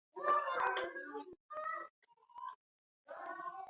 اېں اېک (گھَیں) ڈھم ہوئیاں تمہۡ مہ تھو،